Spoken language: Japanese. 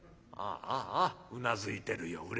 あああうなずいてるよ